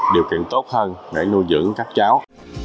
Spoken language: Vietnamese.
điều kiện tốt hơn để nuôi dưỡng các cháu